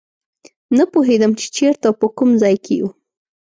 نه پوهېدم چې چېرته او په کوم ځای کې یو.